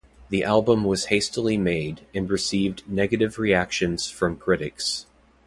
The album was hastily made, and received negative reactions from critics.